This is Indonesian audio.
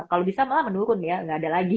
kalau bisa malah menurun ya nggak ada lagi